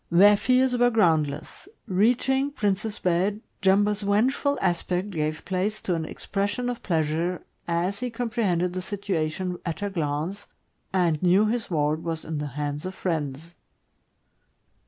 Their fears were groundless. Reaching Prince's bed, Jumbo's vengeful aspect gave place to an expression of pleasure, as he comprehended the situa tion at a glance, and knew his ward was in the hands of friends.